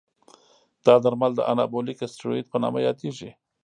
دا درمل د انابولیک استروئید په نامه یادېږي.